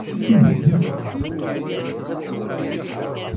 Izga yesnuffux uqcic-a.